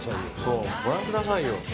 ご覧くださいよ。